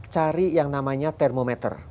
cari yang namanya termometer